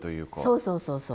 そうそうそうそう。